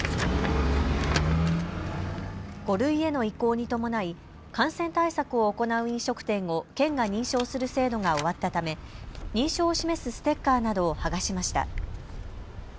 ５類への移行に伴い感染対策を行う飲食店を県が認証する制度が終わったため認証を示すステッカーなどを剥がしました。